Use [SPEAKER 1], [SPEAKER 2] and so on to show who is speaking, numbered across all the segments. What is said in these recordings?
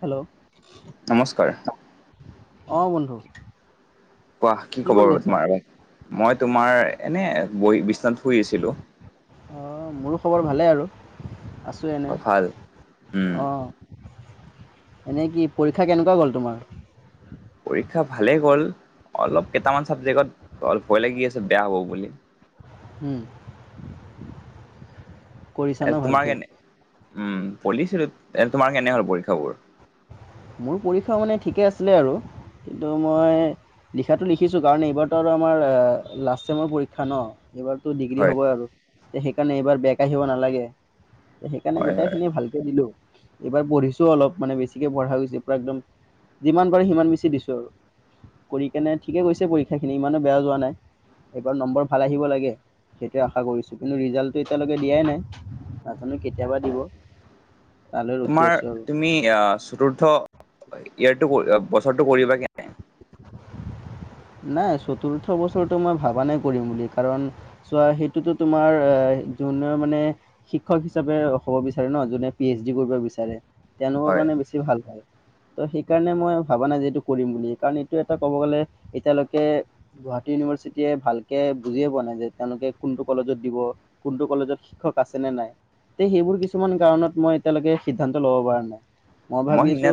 [SPEAKER 1] Hello.
[SPEAKER 2] নমস্কাৰ।
[SPEAKER 1] অঁ বন্ধু।
[SPEAKER 2] কোৱা কি কব
[SPEAKER 1] কৰি
[SPEAKER 2] বাৰল
[SPEAKER 1] আছা
[SPEAKER 2] তোমাৰ মই তোমাৰ এনে বহ বিশনাথ। শুইছিলোঁ
[SPEAKER 1] অঁ মোৰো খবৰ ভালেই আৰু আছোঁ এনে
[SPEAKER 2] অ, ভাল উম
[SPEAKER 1] অঁ এনেই কি পৰীক্ষা কেনেকুৱা গ'ল তোমাৰ
[SPEAKER 2] শিক্ষা ভালেই গ'ল অলপ কেইটামান চাবজেক্টত অ ভয় লাগি আছে বেয়া হ'ব বুলি
[SPEAKER 1] হম কঢ়িছা
[SPEAKER 2] এ
[SPEAKER 1] ন
[SPEAKER 2] তোমাৰ
[SPEAKER 1] ভালকে
[SPEAKER 2] কেনে উম পঢ়িছিলোঁ এনে তোমাৰ কেনে হ'ল পৰীক্ষাবোৰ
[SPEAKER 1] মোৰ পৰীক্ষা মানে ঠিকে আছিলে আৰু কিন্তু মই লিখাটো লিখিছোঁ কাৰণ এইবাৰতো আমাৰ লাষ্ট চেমৰ পৰীক্ষা ন এইবাৰ টো ডিগ্ৰী
[SPEAKER 2] হয়
[SPEAKER 1] হ'ব আৰু তে সেইকাৰণে এইবাৰ বেক কাহিব নালাগে সেইকাৰণে
[SPEAKER 2] হয়
[SPEAKER 1] গোটেই
[SPEAKER 2] হয়
[SPEAKER 1] খিনি ভালকে দিলো এইবাৰ পঢ়িছো অল মানে বেছিকে পঢ়া একদম যিমান পাৰে সিমান বেচি দিছো কৰি কেনে ঠিকে গৈছে পৰীক্ষাখিনি ইমানো বেয়া যোৱা নাই এইবাৰ নম্বৰ ভাল আহিব লাগে সেইটোয়ে আশা কৰিছো কিন্তু ৰিজাল্টটো এতিয়ালৈকে দিয়াই নাই জানো কেতিয়াবা দিব তালৈ ৰখি
[SPEAKER 2] তোমাৰ
[SPEAKER 1] আছো
[SPEAKER 2] তুমি আহ চতুৰ্থ
[SPEAKER 1] আৰু
[SPEAKER 2] ইয়াৰটো বছৰটো কৰিবা কেনে
[SPEAKER 1] নাই চতুৰ্থ বছৰটো মই ভবা নাই কৰিম বুলি কাৰণ চোৱা সেইটোতো তোমাৰ যোনে মানে শিক্ষক হিচাপে হ'ব বিচাৰে ন যোনে পি এইচ ডি কৰিব বিচাৰে তেওঁলোকৰ
[SPEAKER 2] হয়
[SPEAKER 1] কাৰণে বেছি ভাল হয় ত' সেইকাৰণে মই ভবা নাই যে এইটো কৰিম বুলি কাৰণ এইটো এটা ক'ব গ'লে এতিয়ালৈকে গুৱাহাটী ইউনিভাৰ্চিটিয়ে ভালকে বুজিয়ে পোৱা নাই যে তেওঁলোকে কোনটো কলেজত দিব কোনটো কলেজত শিক্ষক আছে নে নাই তে সেইবোৰ কিছুমান কাৰণত মই এতিয়ালৈকে সিদ্ধান্ত ল'ব পৰা নাই
[SPEAKER 2] মই
[SPEAKER 1] ভাবি
[SPEAKER 2] এনে
[SPEAKER 1] আছো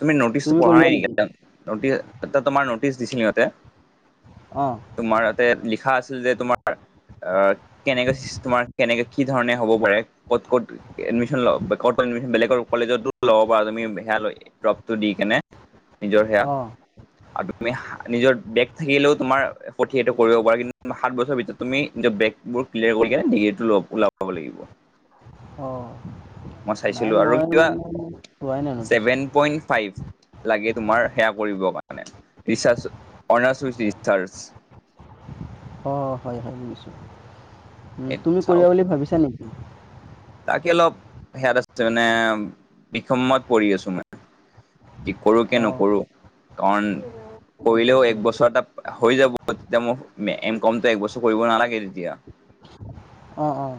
[SPEAKER 2] তুমি নটিচটো পঢ়া নাই নেকি এতিয়া নটিচ এতিয়া তোমাৰ ন তিচ দিছিল ইহঁতে
[SPEAKER 1] অ
[SPEAKER 2] তোমাৰ ইয়াতে লিখা আছিল যে তোমাৰ অ কেনেকে চিচতেমৰ কেনেকে কি ধৰণে হ'ব পাৰে ক'ত ক'ত এডমিশ্যন ল ক'ত বেলেগৰ কলেজতো ল'ব পাৰা তুমি সেয়া লৈ ড্ৰপটো দি কেনে নিজৰ সেয়া
[SPEAKER 1] অ
[SPEAKER 2] আৰু তুমি নিজৰ বেগ থাকিলেও তোমাৰ কঠিয়াতো কৰিব পাৰা কিন্তু সাত বছৰ ভিতৰত তুমি নিজৰবেগবোৰ ক্লিয়াৰ বি এতো ওলাব লাগিব
[SPEAKER 1] অ
[SPEAKER 2] মই
[SPEAKER 1] নাই
[SPEAKER 2] চাইছিলোঁ আৰু
[SPEAKER 1] মই
[SPEAKER 2] কিবা
[SPEAKER 1] মানে পোৱাই নাই এনে
[SPEAKER 2] ছেভেন
[SPEAKER 1] বস্তু
[SPEAKER 2] পইণ্ট ফাইভ লাগে তোমাৰ সেয়া কৰিব কাৰণে ৰিচাৰ্জ অনাৰ্চ উই
[SPEAKER 1] অ হয় হয় বুজিছো উ তুমি
[SPEAKER 2] চাও
[SPEAKER 1] কৰিবা বুলি ভাবিছা নেকি
[SPEAKER 2] তাকে অলপ সেয়াত আছে মানে বিষমত পৰি আছো মই কি কৰোঁ কি
[SPEAKER 1] অ
[SPEAKER 2] নকৰোঁ কাৰণ
[SPEAKER 1] গম
[SPEAKER 2] কৰিলেও
[SPEAKER 1] পাইছো
[SPEAKER 2] এক বছৰ এটা হৈ যাব তেতিয়া মই এম কমতো একবছৰ কৰিব নালাগে তেতিয়া
[SPEAKER 1] অঁ অঁ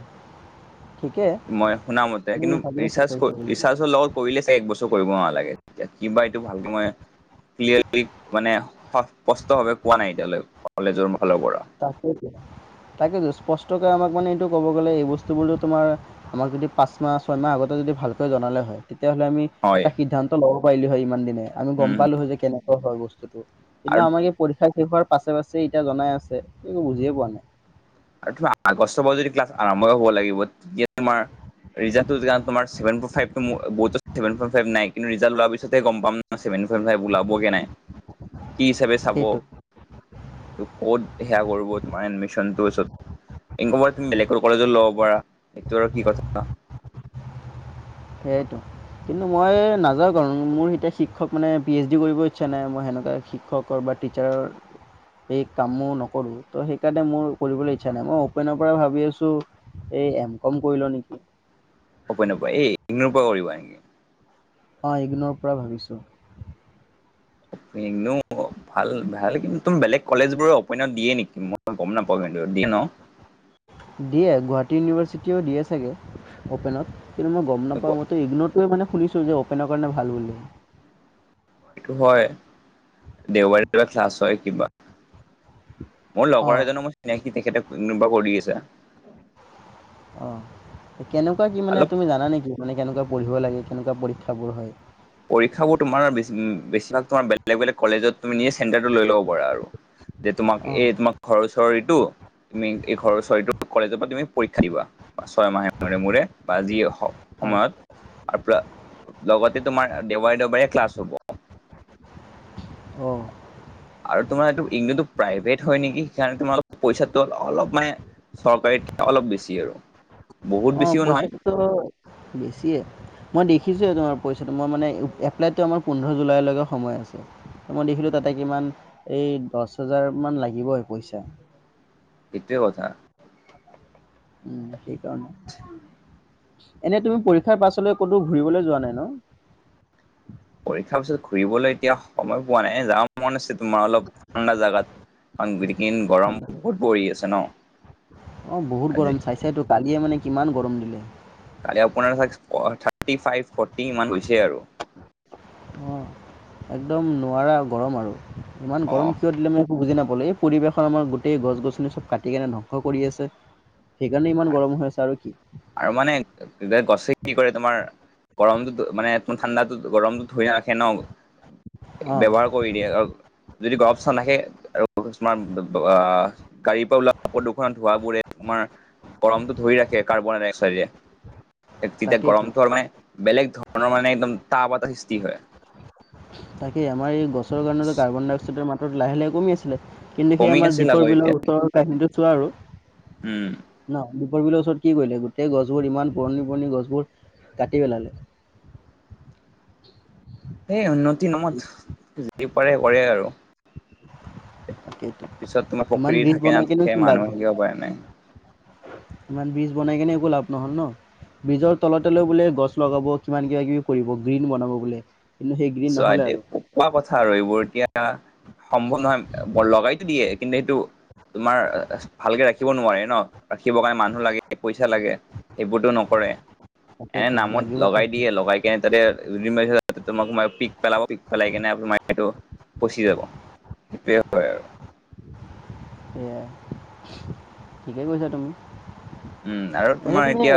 [SPEAKER 2] মই শুনা মতে কিন্তু
[SPEAKER 1] আছা
[SPEAKER 2] ৰিচাৰ্চ
[SPEAKER 1] কৰিবা বুলি
[SPEAKER 2] ৰিচাৰ্চৰ লগত কৰিলে এক বছৰ কৰিব না লাগে তেতিয়া কিবা এইটো ভালকে মই ক্লিয়াৰলি মানে স স্পষ্ট ভাৱে কোৱা নাই এতিয়ালৈ কলেজৰ ফালৰ পৰা
[SPEAKER 1] তাকেইতো তাকেইতো স্পষ্ট তাকে আমাক মানে এইটো ক'ব গ'লে এই বস্তুবোৰত তোমাৰ আমাক যদি পাঁচ মাহ ছয় মাহ আগতে যদি ভালকৈ জনালে হয় [unintelligible] তেতিয়াহ'লে আমি
[SPEAKER 2] হয়
[SPEAKER 1] এটা সিদ্ধান্ত লব পাৰিলো হয় ইমান দিনে আমি গম
[SPEAKER 2] উম
[SPEAKER 1] পালো হয় যে কেনেকুৱা হয় বস্তু তো
[SPEAKER 2] আৰু
[SPEAKER 1] সেইদিনা আমাৰ এই পৰীক্ষা শেষ হোৱাৰ পাছে -পাছে এতিয়া জনাই আছে একো বুজিয়ে পোৱা নাই।
[SPEAKER 2] আৰু তোমাৰ আগষ্টৰ পৰা যদি ক্লাছ আৰম্ভ হ'ব লাগিব তেতিয়া তোমাৰ ৰিজনতো তোমাৰ চেভেনতো ফাইফতো বহুতত চেভেন পইন্ট, ফাইফ নাই কিন্ত ৰিজাল্ট ওলোৱা পিছত হে গম পাম ন' চেভেন চেভেন পইন্টফাইফ ওলাবগে নাই কি হিচাপে চাব
[SPEAKER 1] সেইটো
[SPEAKER 2] এইটো ক'ত সেয়া কৰিব তোমাৰ এডমিচনটো চব [unintelligible] তুমি বেলেগকৈ কলেজত ল'ব পাৰা এইটো আৰু কি কথা
[SPEAKER 1] সেয়াইটো। কিন্তু মই নাযাওঁ কাৰণ মোৰ এতিয়া শিক্ষক মানে পি এইচ ডি কৰিব ইচ্ছা নাই মই সেনেকুৱা শিক্ষকৰ টীচাৰ এই কামো নকৰো ত' সেইকাৰণে মোৰ কৰিবলৈ ইচ্ছা নাই মই অপেনৰ পৰা ভাবি আছো এই এম কম কৰিলও নেকি
[SPEAKER 2] অপেনৰ পাই এই ইগনৰ পৰা কৰিবা নেকি?
[SPEAKER 1] অহ, ইগনৰ পৰা ভাবিছোঁ।
[SPEAKER 2] ইগন ভাল -ভাল কিন্তু তুমি বেলেগ কলেজ বোৰ অপেনত দিয়ে নেকি মই গম নাপাওঁ কিন্তু দিয়ে ন
[SPEAKER 1] দিয় গুৱাহাটী ইউনিভাৰ্চিটি চিটিও দিয়ে চাগৈ অ'পেনত কিন্তু মই গম নাপাওঁ
[SPEAKER 2] সেইটো
[SPEAKER 1] মইতো ইগন'টোৱে মানে শুনিছোঁ যে অ'পেনৰ কাৰণে ভাল বুলিলে
[SPEAKER 2] সেটো হয় দেওবাৰৰ ক্লাছ হয় কিবা [unintelligible] মোৰ লগৰ
[SPEAKER 1] অঁ
[SPEAKER 2] এজনো মই চিনাকি তেখেতো [unintelligible] কৰি আছে।
[SPEAKER 1] অহ, কেনেকুৱা কি মানে
[SPEAKER 2] অলপ
[SPEAKER 1] তুমি জানা নেকি মানে কেনেকুৱা পঢ়িব লাগে? কেনেকুৱা পৰীক্ষাবোৰ হয়
[SPEAKER 2] পৰীক্ষাবোৰ তোমাৰ বেছি - বেছি ভাগ বেলেগ - বেলেগ কলেজত তুমি নিজে চেণ্টাৰটো লৈ ল'ব পাৰা আৰু। যে তোমাক
[SPEAKER 1] অঁ
[SPEAKER 2] এই তোমাক ঘৰ ওচৰ ইটো তুমি এই ঘৰৰ চৰিটো কলেজৰ পৰা তুমি পৰীক্ষা দিবা ছয় মাহে মোৰে -মোৰে বা যি হওক
[SPEAKER 1] হয়
[SPEAKER 2] সময়ত [unintelligible] লগতে তোমাৰ দেওবাৰে- দেওবাৰে ক্লাছ হ'ব।
[SPEAKER 1] অহ
[SPEAKER 2] আৰু তোমাৰ এইটো [unintelligible] প্ৰাইভেট হয় নেকি সেইকাৰণে তোমাৰ পইচাটো অলপ মানে চৰকাৰীত অলপ বেছি আৰু। বহুত
[SPEAKER 1] অহ,
[SPEAKER 2] বেছিও নহয়
[SPEAKER 1] পইচাটোতো বেছিয়ে। মই দেখিছোঁ তোমাৰ পইচাটো মই মানে এপ্লাইটো আমাৰ পোন্ধৰ জুলাইলৈকে সময় আছে। মই দেখিলো তাতে কিমান এই দছ হাজাৰ মান লাগিবই পইচা।
[SPEAKER 2] সেইটোৱে কথা।
[SPEAKER 1] উম, সেইকাৰণে। এনে তুমি পৰীক্ষাৰ পাছলৈ ক'তো ঘুৰিবলৈ যোৱা নাই ন'?
[SPEAKER 2] পৰীক্ষাৰ পিছত ঘূৰিবলৈ এতিয়া সময় পোৱা নাই এ যাব মন আছে তোমাৰ অলপ ঠাণ্ডা জাগাত। [unintelligible] গৰম বহুত পৰি আছে ন'
[SPEAKER 1] অহ, বহুত
[SPEAKER 2] আজি
[SPEAKER 1] গৰম চাইচাই তো কালিয়ে মানে কিমান গৰম দিলে।
[SPEAKER 2] কালি আপোনাৰ থাৰ্টি ফাইভ- ফৰ্টি ইমান গৈছে আৰু।
[SPEAKER 1] অ একদম নোৱাৰা গৰম আৰু। ইমান
[SPEAKER 2] অ
[SPEAKER 1] গৰম কিয় দিলে মই একো বুজি নাপালো এই পৰিৱেশৰ আমাৰ গোটেই গছ- গছনি চব কাটি কেনে ধ্বংস কৰি আছে সেইকাৰণে ইমান গৰম হৈ আছে আৰু কি
[SPEAKER 2] আৰু মানে গছে কি কৰে তোমাৰ গৰমটো মানে ঠাণ্ডাতো গৰমটো ধৰি নাৰাখে ন'
[SPEAKER 1] অঁ
[SPEAKER 2] ব্যৱহাৰ কৰি দিয়ে আৰু যদি গৰৱ চান আহে [unintelligible] গাড়ীৰ পৰা ওলোৱা প্ৰদূষণ ধোৱাবোৰে তোমাৰ গৰমটো ধৰি ৰাখে কাৰ্বন ডাই অক্সাইডে তেতিয়া
[SPEAKER 1] তাকেইতো
[SPEAKER 2] গৰমটো মানে বেলেগ ধৰণৰ মানে একদম তাপ এটা সৃষ্টি হয়।
[SPEAKER 1] তাকেই আমাৰ এই গছৰ কাৰণে কাৰ্বন ডাই অক্সাইডৰ মাত্ৰ লাহে লাহে কমি আছিলে কিন্তু সেই
[SPEAKER 2] কমি
[SPEAKER 1] আমাৰ
[SPEAKER 2] আছিল আকৌ
[SPEAKER 1] দ্বীপৰ
[SPEAKER 2] এতিয়া
[SPEAKER 1] বিলৰ ওচৰৰ কাহিনীটো চোৱা আৰু
[SPEAKER 2] উম
[SPEAKER 1] ন। ওৰবৰ ওচৰত কি কৰিলে গোটেই গছবোৰ ইমান পুৰণি পুৰণি গছবোৰ কাটি পেলালে।
[SPEAKER 2] এ উন্নতি নামত যি পাৰে কৰে আৰু।
[SPEAKER 1] তাকেইতো
[SPEAKER 2] পিছত তোমাৰ
[SPEAKER 1] ইমান
[SPEAKER 2] প্ৰকৃতি
[SPEAKER 1] ব্ৰিজ
[SPEAKER 2] থাকে
[SPEAKER 1] বনাই কেনেও
[SPEAKER 2] নাথাকে
[SPEAKER 1] কি লাভ
[SPEAKER 2] মানুহ
[SPEAKER 1] হ'ল
[SPEAKER 2] থাকিব পৰা নাই
[SPEAKER 1] ইমান বীজ বনাই কেনে একো লাভ নহ'ল ন বিজৰ তলতে লৈ বোলে গছ লগাব কিমান কিবা কিবি কৰিব গ্ৰীণ বনাব বোলে। কিন্তু সেই গ্ৰীণ
[SPEAKER 2] চ
[SPEAKER 1] নহ'লে
[SPEAKER 2] আইট
[SPEAKER 1] আৰু
[SPEAKER 2] কোৱা কথা আৰু এইবোৰ এতিয়া। সম্ভৱ নহয় ব লগাইতো দিয়ে কিন্তু সেইটো। তোমাৰ ভালকে ৰাখিব নোৱাৰে ন ৰাখিব কাৰণে মানুহ লাগে পইচা লাগে সেইবোৰতো নকৰে। এনে
[SPEAKER 1] তাকেতো
[SPEAKER 2] নামত
[SPEAKER 1] লাগিবতো
[SPEAKER 2] লগাই দিয়ে লগাই কেনে তাতে তোমাক। পিক পেলাব পিক পেলাই কেনে পচি যাব। সেইটোৱেই হয় আৰু।
[SPEAKER 1] সেয়াই ঠিকে কৈছা তুমি।
[SPEAKER 2] উম, আৰু
[SPEAKER 1] এনে
[SPEAKER 2] তোমাৰ
[SPEAKER 1] তুমি হে
[SPEAKER 2] এতিয়া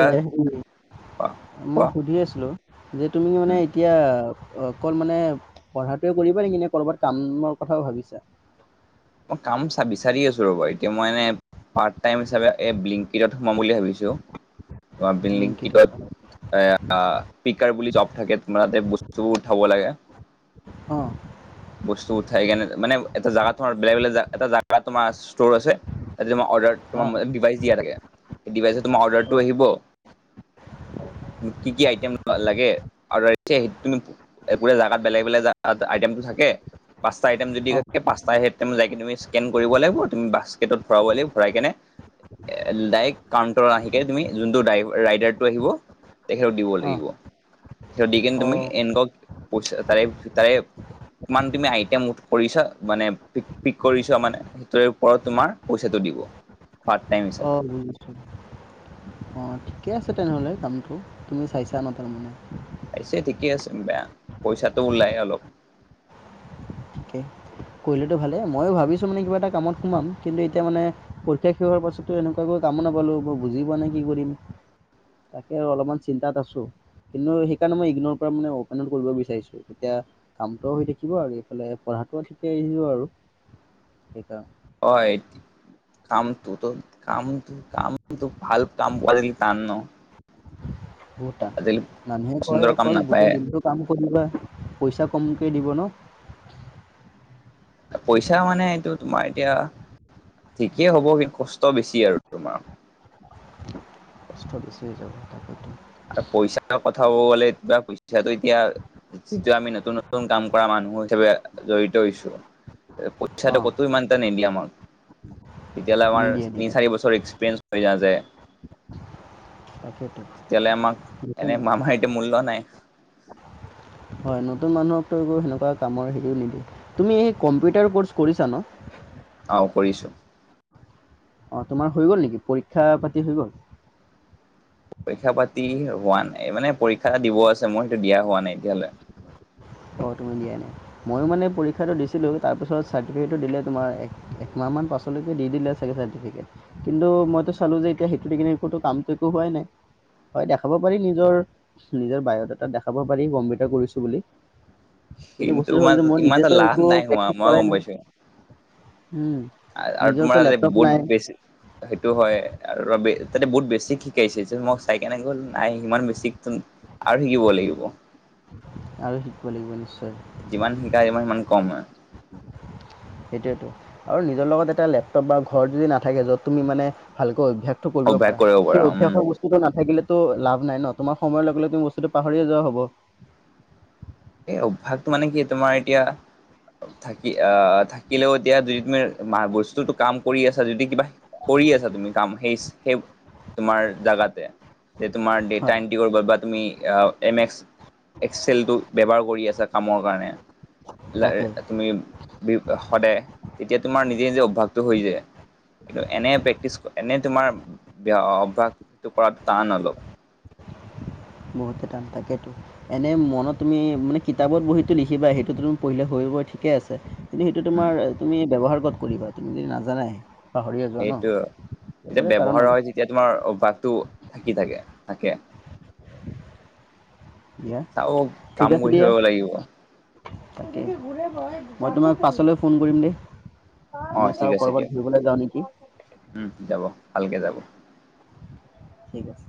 [SPEAKER 2] কোৱা
[SPEAKER 1] মই
[SPEAKER 2] কোৱা
[SPEAKER 1] সুধি আছিলো। যে তুমি মানে
[SPEAKER 2] উম,
[SPEAKER 1] এতিয়াৱ অকল মানে পঢ়াতোৱে কৰিবা নেকি নে ক'ৰবাত কামৰ কথাও ভাবিছা?
[SPEAKER 2] অহ, কাম চাবি বিচাৰি আছো ৰবা এতিয়া মই এনে পাৰ্ট টাইম হিচাপে এ ব্লিংকিতত সুমাম বুলি ভাবিছো। তোমাৰ
[SPEAKER 1] ব্লিংকিত
[SPEAKER 2] ব্লিংকিটত এয়া পিকাৰ বুলি জব থাকে তোমাৰ তাতে বস্তু উঠাব লাগে।
[SPEAKER 1] অঁ
[SPEAKER 2] বস্তু উঠাই কেনে মানে এটা জাগাত থওঁ বেলেগ বেলেগ এটা জাগা তোমাৰ ষ্ট' আছে তেই অৰ্ডাৰ। তোমাৰ
[SPEAKER 1] অঁ
[SPEAKER 2] ডিভাইচ দিয়া থাকে ডিভাইচত তোমাৰ অৰ্ডাৰটো
[SPEAKER 1] অঁ
[SPEAKER 2] আহিব। কি কি আইটেম লাগে জাগাত বেলেগ বেলেগ আইটেমটো থাক। কে পাঁচটা আইটেম যদি
[SPEAKER 1] অঁ
[SPEAKER 2] পাঁচটা য তুমি স্কেন কৰিব লাগিব তুমি বাস্কেটত ভৰাব লাগিব ভৰাই কেনে দাইৰেক্ট কাউটাৰ আহি কেনে তুমি যোনটো ৰাইডাৰটো আহিব। তেখেতক দিব
[SPEAKER 1] অঁ
[SPEAKER 2] লাগিব তেখেত দি কিনে তুমি
[SPEAKER 1] অঁ
[SPEAKER 2] এনেকুৱা পইচা তাৰে তাৰে। কিমান তুমি আইটেম কৰিছা মানে প পিক কৰিছা মানে সেইটোৰ ওপৰত তোমাৰ পইচাটো দিব। [inaudible] হিচাপে
[SPEAKER 1] অঁ বুজিছো অঁ ঠিকে আছে। তেনেহ'লে দামটো তুমি চাইছা ন তাৰমানে।
[SPEAKER 2] পাইছে ঠিকে আছে বেয়া পইচাটো ওলাই অলপ।
[SPEAKER 1] ঠিকেই। কৰিলেতো ভালেই ময়ো ভাবিছোঁ মানে কিবা এটা কামত সোমাম কিন্তু এতিয়া মানে পৰীক্ষা শেষ হোৱাৰ পাছতো এনেকুৱাকৈ। কাম নাপালো মই বুজি পোৱা নাই কি কৰিম তাকে অলপমান চিন্তাত আছো। কিন্তু সেইকাৰণে মই ইগনৰ কৰা মানে অপেনউ কৰিব বিচাৰিছো তেতিয়া কামটো হৈ থাকিব আৰু এইফালে। পঢ়াটো ঠিকে আহিব আৰু সেইকাৰণে।
[SPEAKER 2] হয়। কামটো ত কামটো কাম ভাল কাম প টান ন।
[SPEAKER 1] বহুত টান মানুহে কয়
[SPEAKER 2] পচন্দৰ কাম
[SPEAKER 1] অকল
[SPEAKER 2] নাপায়
[SPEAKER 1] গোটেই দিনটো কাম কৰিবা। পইচা কমকৈ দিব ন।
[SPEAKER 2] পইচা মানে এইটো তোমাৰ এতিয়া। ঠিকেই হ'ব কষ্ট বেছি আৰু তোমাৰ।
[SPEAKER 1] কষ্ট বেছি হৈ যাব।
[SPEAKER 2] আৰু পইচাৰ কথা। খাব গ'লে বা পইচাটো এতিয়া যিটো আমি নতুন নতুন কাম কৰা মানুহ হিচাপে জড়িত। পইচাটো
[SPEAKER 1] অঁ
[SPEAKER 2] কতো ইমান এটা নিদিয়ে আমাক। তেতিয়াহ'লে আমাৰ
[SPEAKER 1] নিদিয়ে
[SPEAKER 2] তিনি
[SPEAKER 1] নিদিয়ে
[SPEAKER 2] চাৰি বছৰ এক্সপিৰিয়েন্ঞ্চ হৈ যা যে
[SPEAKER 1] তাকেইটো
[SPEAKER 2] তেতিয়াহ'লে আমাক এনে মামাৰ এতিয়া মূল্য নাই
[SPEAKER 1] হয় নতুন মানুহকতো একো সেনেকুৱা কামৰ হেৰিও নিদিয়ে তুমি এই কম্পিউটাৰ ক'ৰ্চ কৰিছা ন
[SPEAKER 2] অ কৰিছোঁ
[SPEAKER 1] অ তোমাৰ হৈ গল নেকি পৰীক্ষা পাতি হৈ গল
[SPEAKER 2] পৰীক্ষা পাতি হোৱা নাই মানে পৰীক্ষা এটা দিব আছে মই সেইটো দিয়া হোৱা নাই এতিয়ালে
[SPEAKER 1] অ [unintelligible] ময়ো মানে পৰীক্ষাটো দিছিলোঁ তাৰপিছত চাৰ্টিফিকেটটো দিলে তোমাৰ একমাহমান পাছলৈকে দি দিলে চাগে কিন্তু মইটো চালো যে এতিয়া সেইটো দিকেনে কামটো একো হোৱাই নাই। হয় দেখাব পাৰি নিজৰ নিজৰ বায়'ডেটাত দেখাব পাৰি কম্পিউটাৰ কৰিছো বুলি।
[SPEAKER 2] কিন্তু
[SPEAKER 1] বস্তুটো
[SPEAKER 2] ম
[SPEAKER 1] হ'ল যে মই
[SPEAKER 2] ইমানতা
[SPEAKER 1] নিজেতো
[SPEAKER 2] লাভ
[SPEAKER 1] একো
[SPEAKER 2] নাই হোৱা
[SPEAKER 1] প্ৰেক্টিচ
[SPEAKER 2] মই
[SPEAKER 1] কৰাই
[SPEAKER 2] গম
[SPEAKER 1] নাই
[SPEAKER 2] পাইছো।
[SPEAKER 1] উম,
[SPEAKER 2] আৰু তোমাৰ
[SPEAKER 1] নিজৰতো
[SPEAKER 2] আজি
[SPEAKER 1] লেপটপ
[SPEAKER 2] বহুত
[SPEAKER 1] নাই
[SPEAKER 2] বেছি সেইটো হয় আৰু তাতে বহুত বেছিক শিকাইছে যে মক চাই কেনে গ'ল, নাই ইমান বেছিক সোন আৰু শিকিব লাগিব।
[SPEAKER 1] আৰু শিকিব লাগিব নিশ্চয়।
[SPEAKER 2] যিমান শিকা যিমান, সিমান কম হয়।
[SPEAKER 1] সেইটোৱেটো আৰু নিজৰ লগত এটা লেপটপ বা ঘৰত যদি নাথাকে য'ত তুমি মানে ভালকৈ অভ্যাস। ত কৰিব
[SPEAKER 2] অভ্যাস
[SPEAKER 1] পাৰা।
[SPEAKER 2] পৰা
[SPEAKER 1] সেই
[SPEAKER 2] উম
[SPEAKER 1] অভ্যাসৰ বস্তুটো নাথাকিলে। লাভ নাই ন। তোমাৰ সময়ৰ লগে লগে তুমি বস্তুটো পাহৰিয়ে যোৱা হ'ব।
[SPEAKER 2] এ অভ্যাসটো মানে কি তোমাৰ এতিয়া। থাকি আ থাকিলেও এতিয়া যদি তুমি মা ৰ বস্তুতো কাম কৰি আছা। যদি কিবা কৰি। কি আছা তুমি কাম, সেইচ সেই তোমাৰ জাগাতে [unintelligible] যে তোমাৰ ডেটা
[SPEAKER 1] হয়
[SPEAKER 2] এণ্টি কৰিব বা তুমি এম এক্স এক্সেলটো ব্যৱহাৰ কৰি আছা কামৰ কাৰণে।
[SPEAKER 1] তাকে
[SPEAKER 2] তুমি সদায় তেতিয়া তোমাৰ নিজে নিজে অভ্যাসটো হৈ যায়। কিন্তু এনে প্ৰেক্টিচ এনে তোমাৰ বেয়া অভ্যাসটো কৰাটো টান হলও।
[SPEAKER 1] বহুতে টান তাকেতো। এনে মনত তুমি মানে কিতাপত বহিটো লিখিবা সেইটো ড্ৰুন পঢ়িলে হৈ [unintelligible] ঠিকে আছে কিন্তু সেইটো
[SPEAKER 2] উম
[SPEAKER 1] তোমাৰ তুমি ব্যৱহাৰ ক'ত কৰিবা? তুমি যদি নাজানাই? পাহৰিয়ে যোৱা ন
[SPEAKER 2] সেইটো এতিয়া
[SPEAKER 1] সেইবোৰে কাৰণ
[SPEAKER 2] ব্যৱহাৰ
[SPEAKER 1] আৰু
[SPEAKER 2] হয় যেতিয়া তোমাৰ অভ্যাসটো থাকি থাকে থাকে।
[SPEAKER 1] দিয়া
[SPEAKER 2] চাও কাম কৰি চাব লাগিব।
[SPEAKER 1] তাকেই মই তোমাক পাছলৈ ফোন কৰিম দেই।
[SPEAKER 2] অ
[SPEAKER 1] মই
[SPEAKER 2] ঠিক
[SPEAKER 1] চাও
[SPEAKER 2] আছে
[SPEAKER 1] কৰবাত
[SPEAKER 2] দিয়ক
[SPEAKER 1] ঘুৰিবলৈ যাওঁ নেকি?
[SPEAKER 2] উম যাব ভালকে যাব।
[SPEAKER 1] ঠিক আছে।